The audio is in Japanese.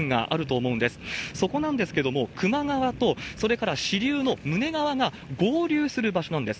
そこなんですけれども、球磨川と、それから支流のむね側が合流する場所なんです。